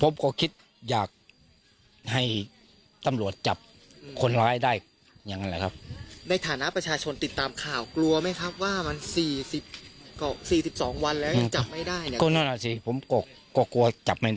มีอะไรอยากบอกเจ้าหน้าที่ตำรวจไหมครับ